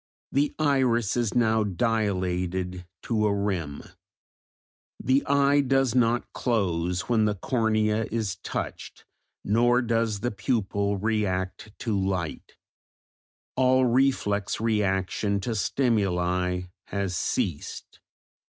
The iris is now dilated to a rim; the eye does not close when the cornea is touched, nor does the pupil react to light; all reflex reaction to stimuli has ceased.